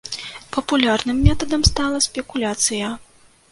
Папулярным метадам стала спекуляцыя.